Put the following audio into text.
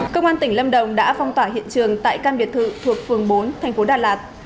công an tỉnh lâm đồng đã phong tỏa hiện trường tại căn biệt thự thuộc phường bốn thành phố đà lạt